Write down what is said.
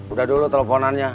udah dulu teleponannya